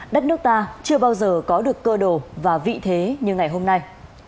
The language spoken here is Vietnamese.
đất nước ta chưa bao giờ có được cơ đồ và vị thế như ngày hôm nay